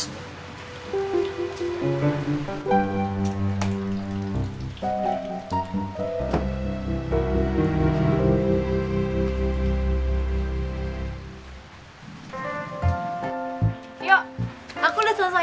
yu aku udah selesai mandi